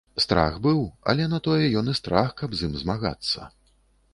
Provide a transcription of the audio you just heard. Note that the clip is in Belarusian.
Страх быў, але на тое ён і страх, каб з ім змагацца.